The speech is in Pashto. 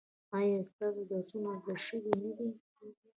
ایا ستاسو درسونه زده شوي نه دي؟